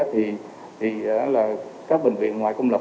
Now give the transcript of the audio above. thì các bệnh viện ngoài công lập